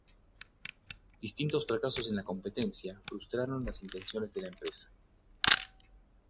Distintos fracasos en la competencia, frustraron las intenciones de la empresa.